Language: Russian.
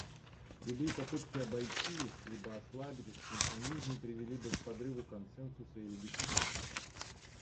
Любые попытки обойти либо ослабить этот механизм привели бы к подрыву консенсуса и легитимности.